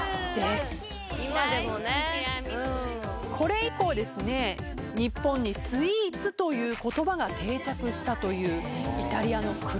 これ以降ですね日本にスイーツという言葉が定着したというイタリアの黒船です。